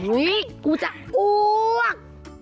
อุ๊ยกูจะอ้วก